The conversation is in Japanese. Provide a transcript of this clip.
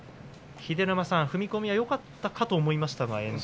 秀ノ山さん、踏み込みがよかったかと思いましたが。